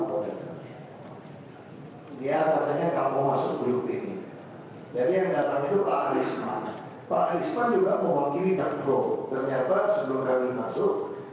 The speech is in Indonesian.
perubahannya menjelaskan kewajiban tambahan jumlahnya melebihi